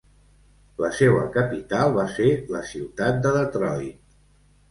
La seua capital va ser la ciutat de Detroit.